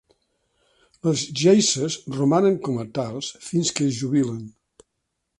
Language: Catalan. Les geishes romanen com a tals fins que es jubilen.